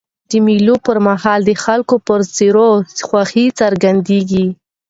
د مېلو پر مهال د خلکو پر څېرو خوښي څرګندېږي.